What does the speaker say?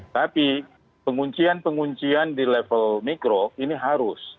tapi penguncian penguncian di level mikro ini harus